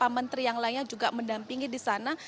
menteri yang lainnya juga mendampingi di sana